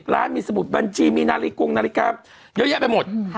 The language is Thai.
ร้านมีสมุดบัญชีมีนาฬิกงนาฬิกาเยอะแยะไปหมด